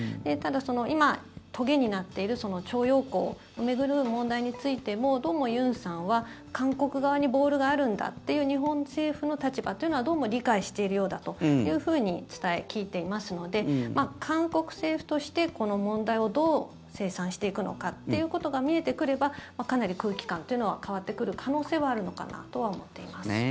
ただ、今、とげになっている徴用工を巡る問題についてもどうもユンさんは韓国側にボールがあるんだという日本政府の立場というのはどうも理解しているようだと伝え聞いていますので韓国政府として、この問題をどう清算していくのかということが見えてくればかなり空気感というのは変わってくる可能性はあるのかなとは思っています。